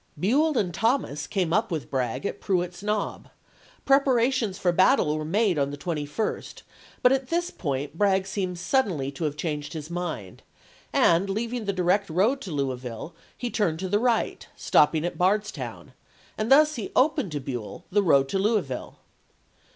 Buell and Thomas came up with Bragg at Prewitt's Knob; preparations for battle were made on the 21st, but at this point Bragg seems suddenly to have changed his mind, and leaving the direct road to Louisville he turned to the right, stopping at Bardstown; and thus he opened to Buell the road to Louisville.